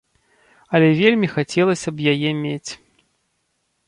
Але вельмі хацелася б яе мець.